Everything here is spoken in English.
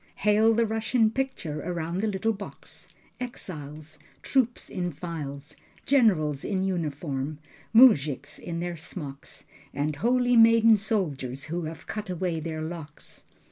Hail the Russian picture around the little box: Exiles, Troops in files, Generals in uniform, Mujiks in their smocks, And holy maiden soldiers who have cut away their locks.